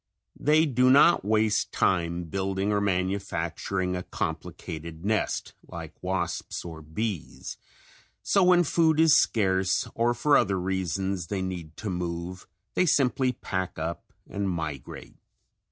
They do not waste time building or manufacturing a complicated nest like wasps and bees, so when food is scare, or for other reasons they need to move they simply "pack up" and migrate.